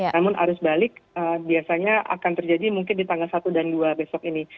namun arus balik biasanya akan terjadi mungkin di tanggal satu dan dua besok ini